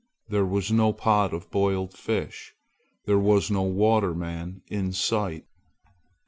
There was no pot of boiled fish! There was no water man in sight!